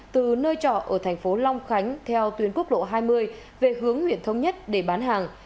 từ nơi trọ ở thành phố long khánh theo tuyến quốc lộ hai mươi về hướng huyện thống nhất để bán hàng